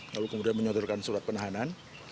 lalu kemudian menyodorkan surat penahanan